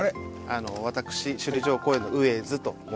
私首里城公園の上江洲と申します。